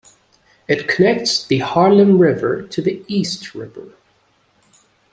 It connects the Harlem River to the East River.